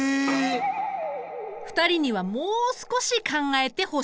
２人にはもう少し考えてほしい。